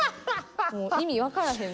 もう意味分からへん